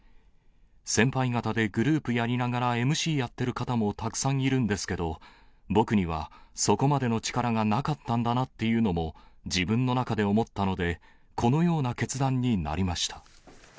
先輩方でグループやりながらＭＣやってる方もたくさんいるんですけど、僕にはそこまでの力がなかったんだなっていうのも、自分の中で思ったので、このような決断になりました。